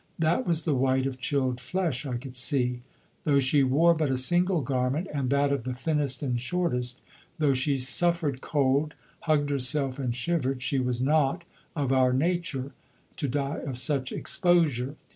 That was the white of chilled flesh I could see. Though she wore but a single garment, and that of the thinnest and shortest, though she suffered cold, hugged herself and shivered, she was not of our nature, to die of such exposure.